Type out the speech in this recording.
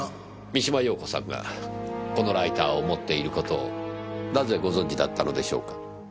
三島陽子さんがこのライターを持っている事をなぜご存じだったのでしょうか？